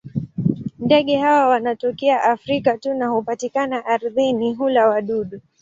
Ndege hawa wanatokea Afrika tu na hupatikana ardhini; hula wadudu.